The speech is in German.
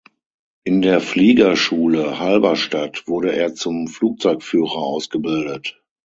In der Fliegerschule Halberstadt wurde er zum Flugzeugführer ausgebildet.